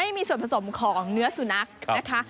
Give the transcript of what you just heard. ไม่มีส่วนผสมของเนื้อสุนัขนะคะ